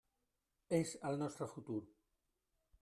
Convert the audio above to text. És el nostre futur.